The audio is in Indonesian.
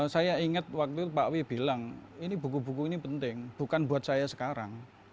saya ingat waktu itu pak wi bilang ini buku buku ini penting bukan buat saya sekarang